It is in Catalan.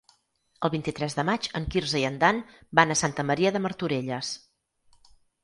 El vint-i-tres de maig en Quirze i en Dan van a Santa Maria de Martorelles.